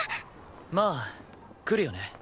まあ来るよね。